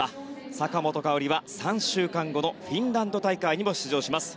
坂本花織は３週間後のフィンランド大会にも出場します。